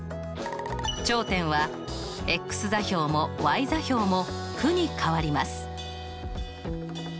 頂点は座標も座標も負に変わります